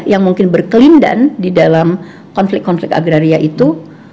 yang mungkin berkelindan di dalam konflik konflik agraria itu